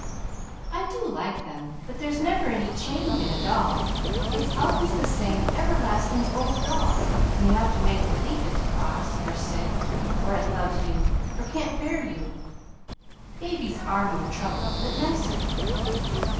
"I do like them, but there's never any change in a doll; it's always the same everlasting old doll, and you have to make believe it's cross or sick, or it loves you, or can't bear you. Babies are more trouble, but nicer."